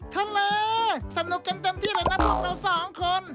ทะเลสนุกกันเต็มที่เลยนะพวกเราสองคน